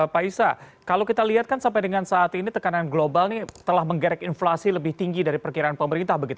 pak isa kalau kita lihat kan sampai dengan saat ini tekanan global ini telah menggerek inflasi lebih tinggi dari perkiraan pemerintah